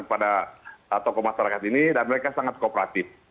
kepada tokoh masyarakat ini dan mereka sangat kooperatif